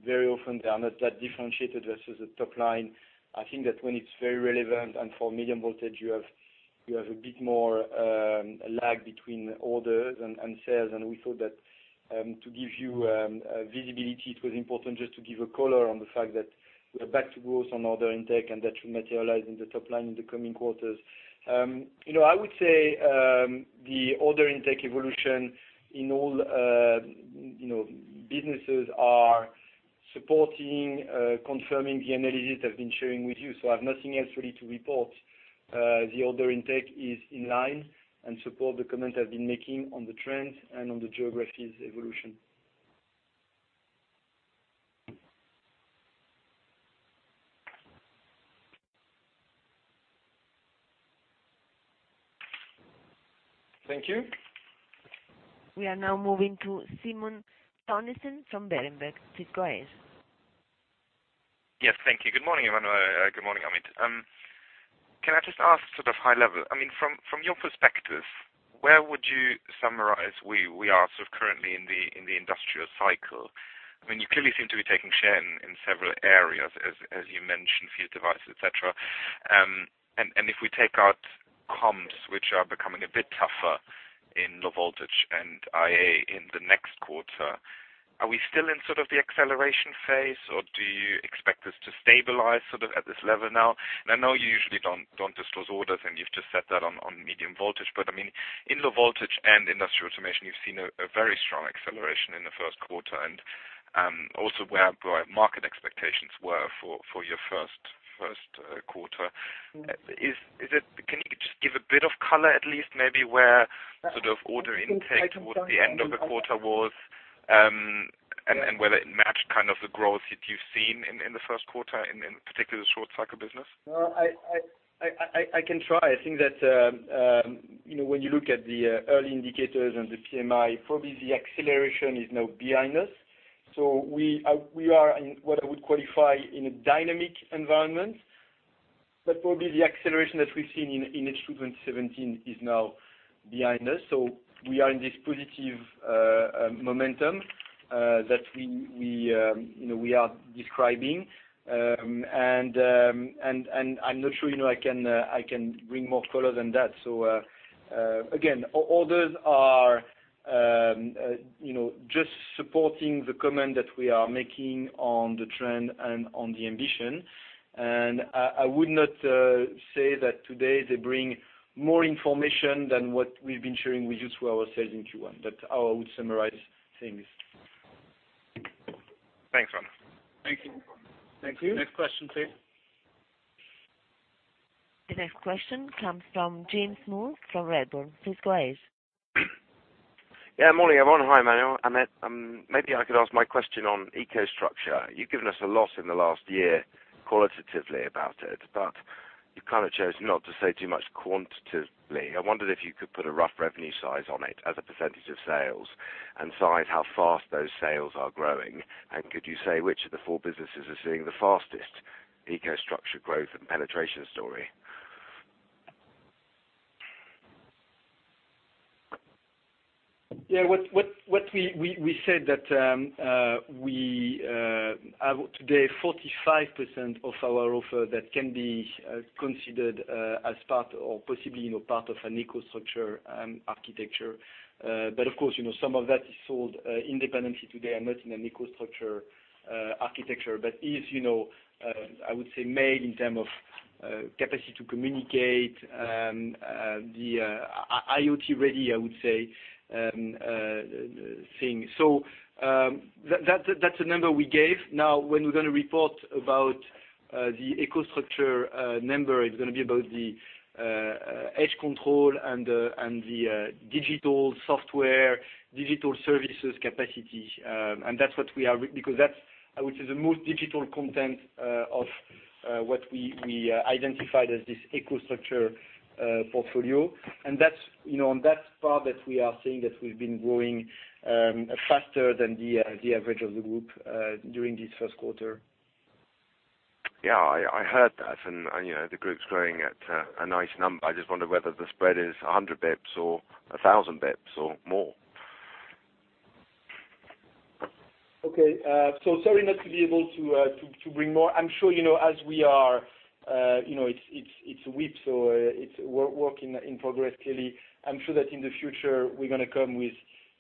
very often. They are not that differentiated versus the top line. When it's very relevant and for medium voltage, you have a bit more lag between orders and sales, and we thought that to give you visibility, it was important just to give a color on the fact that we are back to growth on order intake and that should materialize in the top line in the coming quarters. I would say the order intake evolution in all businesses are supporting, confirming the analysis I've been sharing with you. I have nothing else really to report. The order intake is in line and support the comment I've been making on the trends and on the geographies evolution. Thank you. We are now moving to Simon Toennessen from Berenberg. Please go ahead. Thank you. Good morning. Good morning, Amit. Can I just ask sort of high level, from your perspective, where would you summarize where we are sort of currently in the industrial cycle? You clearly seem to be taking share in several areas, as you mentioned, few devices, et cetera. If we take out comps, which are becoming a bit tougher in low voltage and IA in the next quarter, are we still in sort of the acceleration phase, or do you expect this to stabilize sort of at this level now? I know you usually don't disclose orders, and you've just set that on medium voltage, but in low voltage and Industrial Automation, you've seen a very strong acceleration in the first quarter. Also where market expectations were for your first quarter. Can you just give a bit of color at least maybe where sort of order intake towards the end of the quarter was, and whether it matched kind of the growth that you've seen in the first quarter, in particular the short cycle business? I can try. I think that when you look at the early indicators and the PMI, probably the acceleration is now behind us. We are in what I would qualify in a dynamic environment. Probably the acceleration that we've seen in H2 2017 is now behind us. We are in this positive momentum that we are describing. I'm not sure I can bring more color than that. Again, orders are just supporting the comment that we are making on the trend and on the ambition. I would not say that today they bring more information than what we've been sharing with you through our sales in Q1. That's how I would summarize things. Thanks, Simon. Thank you. Next question, please. The next question comes from James Moore from Redburn. Please go ahead. Yeah, morning, everyone. Hi, Emmanuel. Maybe I could ask my question on EcoStruxure. You've given us a lot in the last year qualitatively about it, but you've kind of chose not to say too much quantitatively. I wondered if you could put a rough revenue size on it as a percentage of sales and size how fast those sales are growing. Could you say which of the four businesses are seeing the fastest EcoStruxure growth and penetration story? Yeah. We said that we have today 45% of our offer that can be considered as part or possibly part of an EcoStruxure architecture. But of course, some of that is sold independently today and not in an EcoStruxure architecture, but is, I would say, made in term of capacity to communicate the IoT ready, I would say, thing. That's the number we gave. Now when we're going to report about the EcoStruxure number, it's going to be about the edge control and the digital software, digital services capacity. Because that's which is the most digital content of what we identified as this EcoStruxure portfolio. On that part that we are seeing that we've been growing faster than the average of the group during this first quarter. Yeah, I heard that. The group's growing at a nice number. I just wonder whether the spread is 100 basis points or 1,000 basis points or more. Okay. Sorry not to be able to bring more. I'm sure as we are It's a WIP, so it's work in progress, clearly. I'm sure that in the future we're going to come with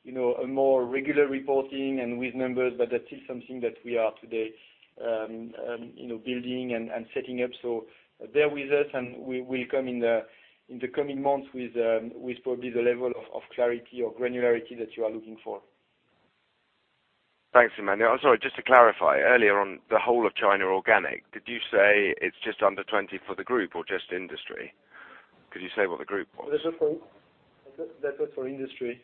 a more regular reporting and with numbers. That is something that we are today building and setting up. Bear with us, and we'll come in the coming months with probably the level of clarity or granularity that you are looking for. Thanks, Emmanuel. I'm sorry, just to clarify, earlier on the whole of China organic, did you say it's just under 20 for the group or just industry? Could you say what the group was? That was for industry.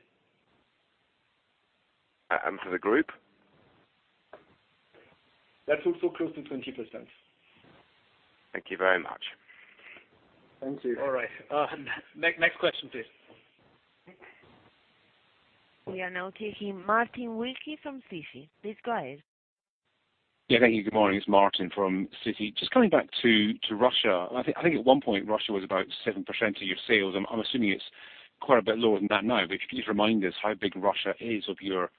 For the group? That's also close to 20%. Thank you very much. Thank you. All right. Next question, please. We are now taking Martin Wilkie from Citi. Please go ahead. Thank you. Good morning. It's Martin from Citi. Just coming back to Russia, I think at one point Russia was about 7% of your sales. I'm assuming it's quite a bit lower than that now, but could you please remind us how big Russia is of your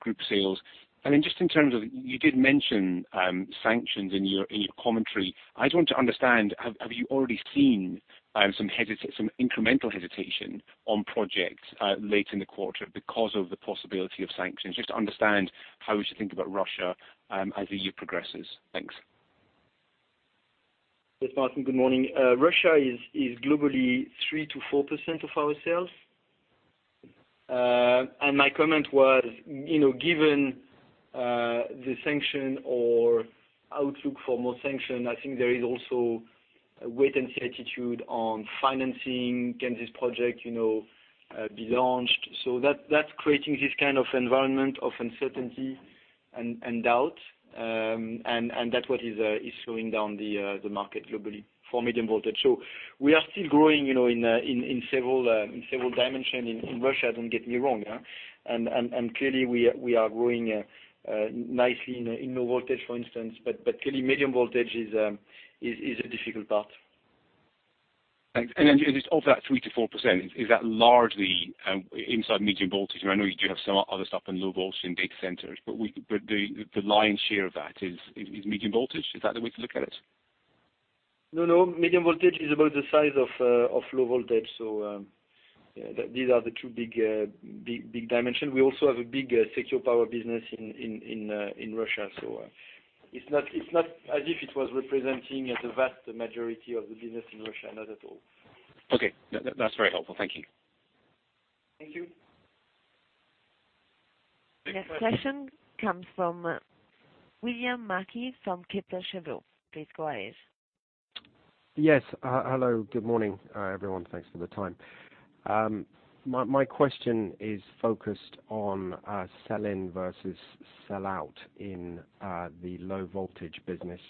group sales? Just in terms of, you did mention sanctions in your commentary. I just want to understand, have you already seen some incremental hesitation on projects late in the quarter because of the possibility of sanctions? Just to understand how we should think about Russia as the year progresses. Thanks. Yes, Martin, good morning. Russia is globally 3%-4% of our sales. My comment was, given the sanction or outlook for more sanction, I think there is also a wait-and-see attitude on financing. Can this project be launched? That's creating this kind of environment of uncertainty and doubt. That's what is slowing down the market globally for medium voltage. We are still growing in several dimension in Russia, don't get me wrong. Clearly we are growing nicely in low voltage, for instance, but clearly medium voltage is a difficult part. Of that 3%-4%, is that largely inside medium voltage? I know you do have some other stuff in low voltage in data centers, but the lion's share of that is medium voltage. Is that the way to look at it? No. Medium voltage is about the size of low voltage. These are the two big dimensions. We also have a big Secure Power business in Russia. It's not as if it was representing the vast majority of the business in Russia. Not at all. Okay. That's very helpful. Thank you. Thank you. Next question comes from William Mackie from Kepler Cheuvreux. Please go ahead. Yes. Hello. Good morning, everyone. Thanks for the time. My question is focused on sell-in versus sell-out in the low voltage business.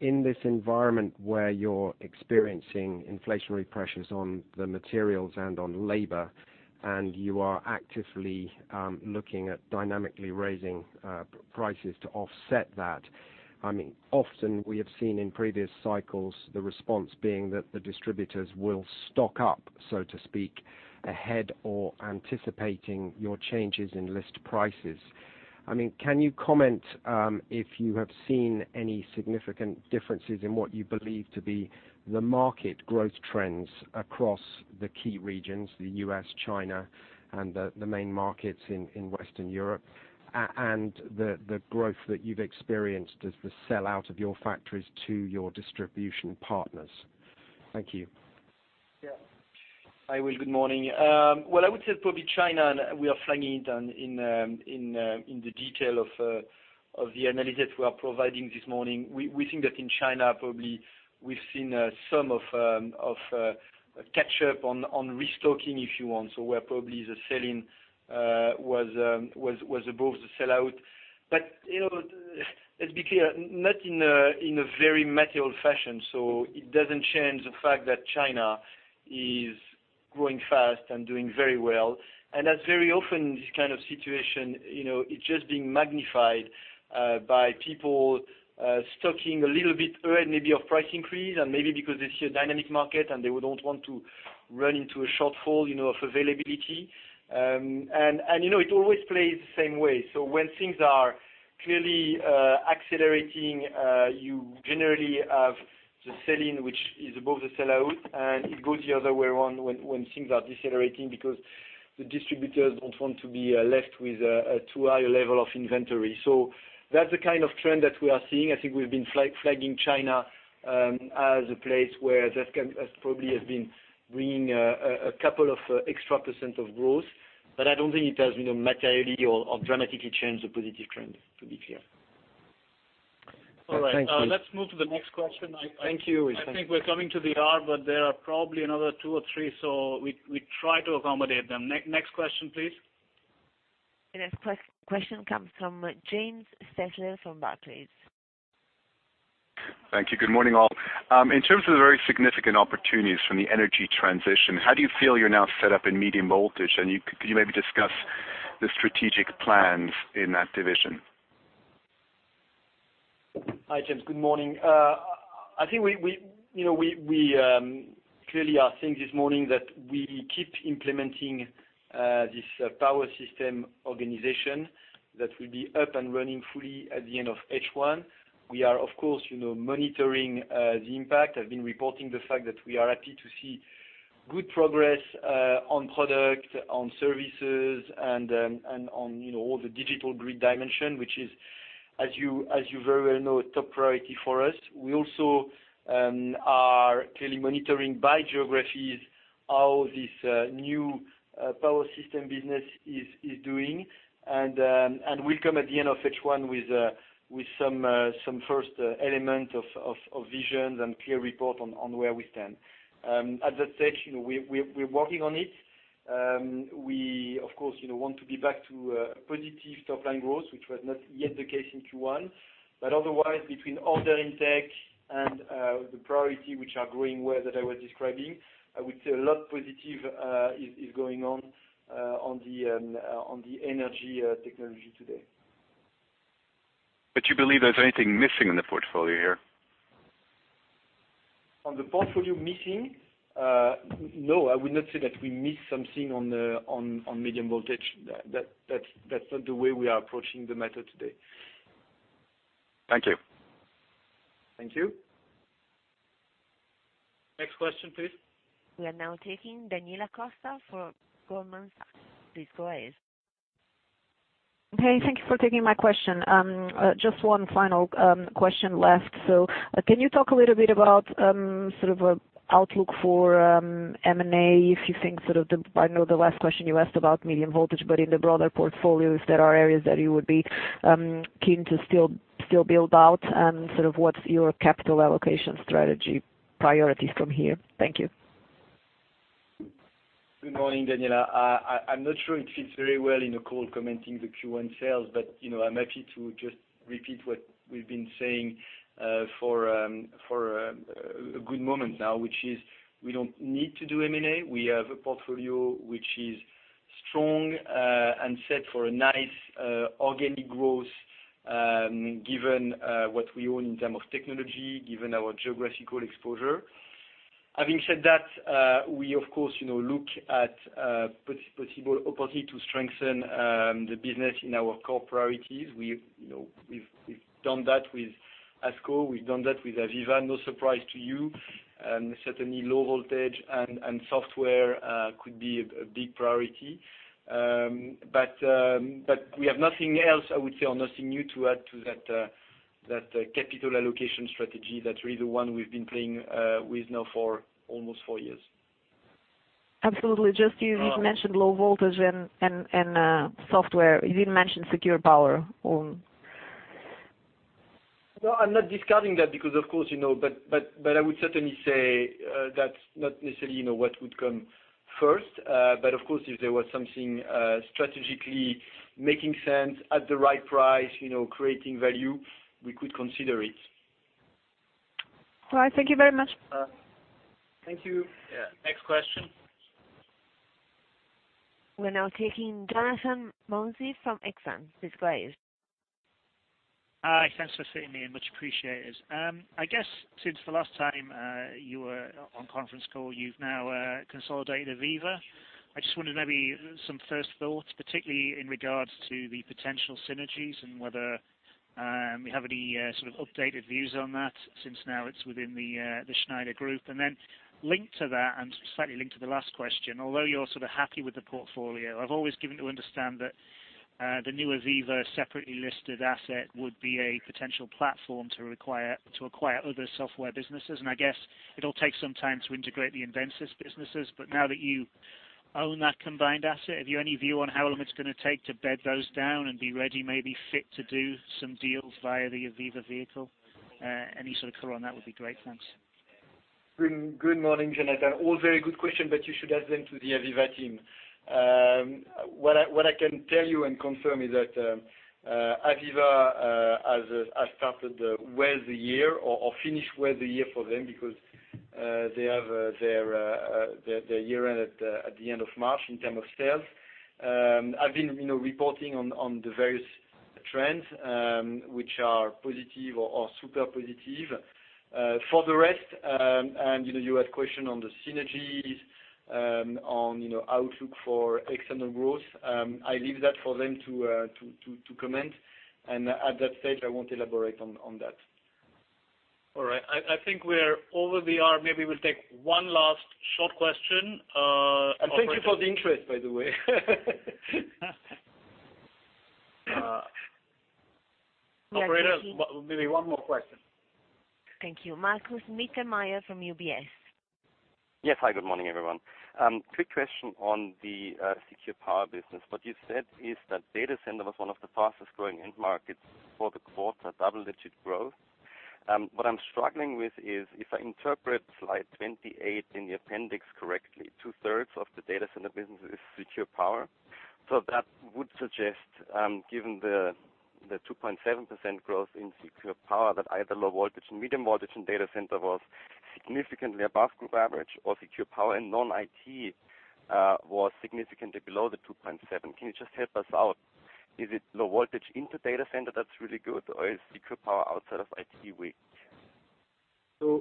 In this environment where you're experiencing inflationary pressures on the materials and on labor, you are actively looking at dynamically raising prices to offset that, often we have seen in previous cycles the response being that the distributors will stock up, so to speak, ahead or anticipating your changes in list prices. Can you comment if you have seen any significant differences in what you believe to be the market growth trends across the key regions, the U.S., China, and the main markets in Western Europe, and the growth that you've experienced as the sellout of your factories to your distribution partners? Thank you. Yeah. Hi, Will. Good morning. I would say probably China, we are flagging it in the detail of the analysis we are providing this morning. We think that in China, probably we've seen some of catch up on restocking, if you want. Where probably the sell-in was above the sellout. Let's be clear, not in a very material fashion. It doesn't change the fact that China is growing fast and doing very well. That very often, this kind of situation, it's just being magnified by people stocking a little bit ahead maybe of price increase, and maybe because they see a dynamic market, and they don't want to run into a shortfall of availability. It always plays the same way. When things are clearly accelerating, you generally have the sell-in, which is above the sellout, and it goes the other way around when things are decelerating because the distributors don't want to be left with a too high level of inventory. That's the kind of trend that we are seeing. I think we've been flagging China as a place where that probably has been bringing a couple of extra % of growth. I don't think it has materially or dramatically changed the positive trend, to be clear. All right. Thank you. Let's move to the next question. Thank you. I think we're coming to the hour. There are probably another two or three. We try to accommodate them. Next question, please. The next question comes from James Stent from Barclays. Thank you. Good morning, all. In terms of the very significant opportunities from the energy transition, how do you feel you're now set up in medium voltage? Could you maybe discuss the strategic plans in that division? Hi, James. Good morning. I think we clearly are saying this morning that we keep implementing this power system organization that will be up and running fully at the end of H1. We are, of course, monitoring the impact. I've been reporting the fact that we are happy to see good progress on product, on services, and on all the digital grid dimension, which is, as you very well know, a top priority for us. We also are clearly monitoring by geographies how this new power system business is doing. We'll come at the end of H1 with some first element of visions and clear report on where we stand. At that stage, we're working on it. We, of course, want to be back to a positive top-line growth, which was not yet the case in Q1. Otherwise, between order intake and the priority, which are growing well, that I was describing, I would say a lot positive is going on the energy technology today. You believe there's anything missing in the portfolio here? On the portfolio missing? No, I would not say that we miss something on medium voltage. That's not the way we are approaching the matter today. Thank you. Thank you. Next question, please. We are now taking Daniela Costa for Goldman Sachs. Please go ahead. Hey, thank you for taking my question. Just one final question left. Can you talk a little bit about sort of outlook for M&A, if you think sort of I know the last question you asked about medium voltage, but in the broader portfolio, if there are areas that you would be keen to still build out, and sort of what's your capital allocation strategy priorities from here? Thank you. Good morning, Daniela. I'm not sure it fits very well in a call commenting the Q1 sales, but I'm happy to just repeat what we've been saying for a good moment now, which is we don't need to do M&A. We have a portfolio which is strong and set for a nice organic growth, given what we own in terms of technology, given our geographical exposure. Having said that, we of course look at possible opportunity to strengthen the business in our core priorities. We've done that with ASCO. We've done that with AVEVA, no surprise to you. Certainly, low voltage and software could be a big priority. We have nothing else, I would say, or nothing new to add to that capital allocation strategy. That's really the one we've been playing with now for almost four years. Absolutely. Just you've mentioned low voltage and software. You didn't mention Secure Power. No, I'm not discarding that because of course. I would certainly say that's not necessarily what would come first. Of course, if there was something strategically making sense at the right price, creating value, we could consider it. All right. Thank you very much. Thank you. Yeah. Next question. We're now taking Jonathan Mounsey from Exane. Please go ahead. Hi. Thanks for fitting me in. Much appreciated. I guess since the last time you were on conference call, you've now consolidated AVEVA. I just wondered maybe some first thoughts, particularly in regards to the potential synergies and whether we have any sort of updated views on that since now it's within the Schneider Group. Then linked to that and slightly linked to the last question, although you're sort of happy with the portfolio, I've always given to understand that the new AVEVA separately listed asset would be a potential platform to acquire other software businesses, and I guess it'll take some time to integrate the Invensys businesses. Now that you own that combined asset, have you any view on how long it's going to take to bed those down and be ready, maybe fit to do some deals via the AVEVA vehicle? Any sort of color on that would be great. Thanks. Good morning, Jonathan. All very good question, you should ask them to the AVEVA team. What I can tell you and confirm is that AVEVA has started well the year or finished well the year for them because they have their year end at the end of March in terms of sales. I've been reporting on the various trends, which are positive or super positive. For the rest, you had question on the synergies, on outlook for external growth, I leave that for them to comment, and at that stage, I won't elaborate on that. All right. I think we are over the hour. Maybe we'll take one last short question. Thank you for the interest, by the way. Operator, maybe one more question. Thank you. Markus Mittermaier from UBS. Yes. Hi, good morning, everyone. Quick question on the Secure Power business. What you've said is that data center was one of the fastest-growing end markets for the quarter, double-digit growth. What I'm struggling with is, if I interpret slide 28 in the appendix correctly, two-thirds of the data center business is Secure Power. That would suggest, given the 2.7% growth in Secure Power, that either low voltage and medium voltage and data center was significantly above group average or Secure Power and non-IT was significantly below the 2.7%. Can you just help us out? Is it low voltage into data center that's really good, or is Secure Power outside of IT weak?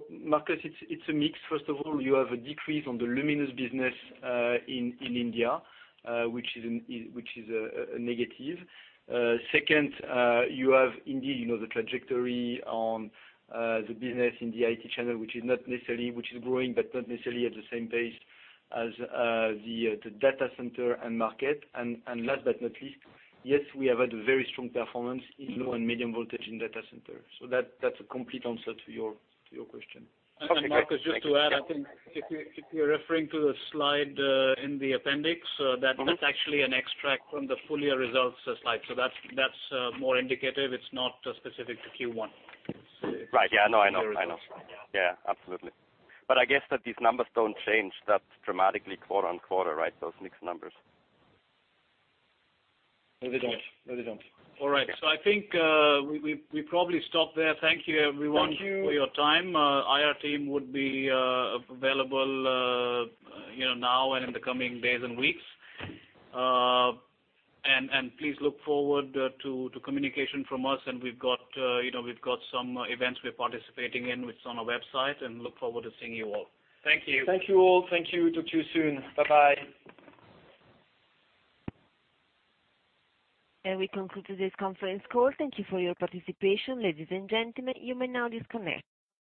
Markus, it's a mix. First of all, you have a decrease on the Luminous business in India, which is a negative. Second, you have indeed the trajectory on the business in the IT channel, which is growing, but not necessarily at the same pace as the data center and market. Last but not least, yes, we have had a very strong performance in low and medium voltage in data center. That's a complete answer to your question. Okay, great. Thank you. Markus, just to add, I think if you're referring to the slide in the appendix, that's actually an extract from the full year results slide. That's more indicative. It's not specific to Q1. Right. Yeah, I know. Absolutely. I guess that these numbers don't change that dramatically quarter-on-quarter, right? Those mixed numbers. No, they don't. All right. I think we probably stop there. Thank you everyone. Thank you for your time. Our team would be available now and in the coming days and weeks. Please look forward to communication from us. We've got some events we're participating in, which is on our website, and look forward to seeing you all. Thank you. Thank you all. Thank you. Talk to you soon. Bye-bye. We conclude today's conference call. Thank you for your participation, ladies and gentlemen. You may now disconnect.